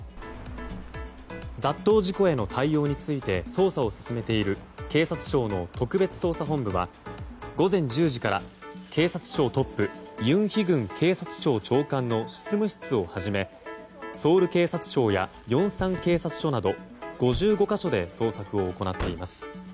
雑踏事故への対応について捜査を進めている警察庁の特別捜査本部は午前１０時から警察庁トップユン・ヒグン警察庁長官の執務室をはじめ、ソウル警察庁やヨンサン警察署など、５５か所で捜索を行っています。